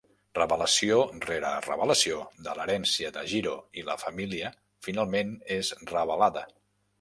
Revelació rere revelació de l'herència de Jiro i la família finalment és revelada.